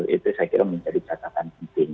itu saya kira menjadi catatan penting